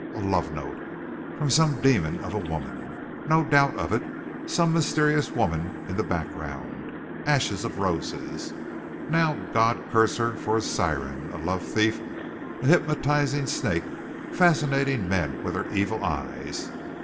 A love note! From some demon of a woman. No doubt of it! Some mysterious woman in the background. "Ashes of Roses!" Now God curse her for a siren, a love thief, a hypnotizing snake, fascinating men with her evil eyes.